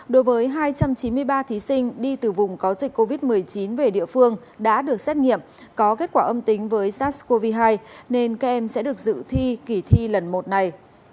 đối với hai trăm chín mươi ba thí sinh đi từ vùng có dịch covid một mươi chín về địa phương đã được xét nghiệm có kết quả âm tính với sars cov hai nên các em sẽ được dự thi kỳ thi lần một này